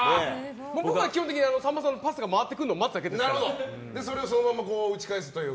僕は基本的にさんまさんのパスが回ってくるのをそれをそのまま打ち返すという。